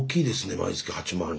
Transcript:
毎月８万は。